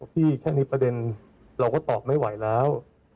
แค่นี้ประเด็นเราก็ตอบไม่ไหวแล้ว